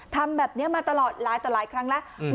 ทำแบบนี้มาตลอดหลายต่อหลายครั้งแล้ว